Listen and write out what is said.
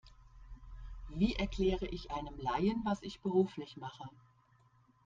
Wie erkläre ich einem Laien, was ich beruflich mache?